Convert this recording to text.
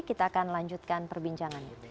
kita akan lanjutkan perbincangan